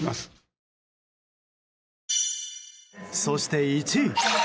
そして１位。